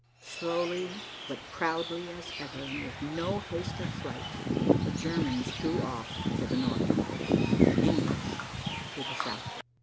Slowly, but proudly as ever, and with no haste of flight, the Germans drew off to the north, the English to the south.